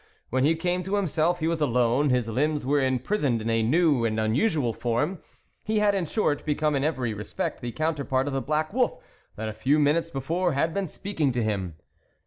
When he came to himself, he was alone. His limbs were imprisoned in a new and unusual form ; he had, in short, become in every respect the counterpart of the black wolf that a few minutes before had been speaking to him.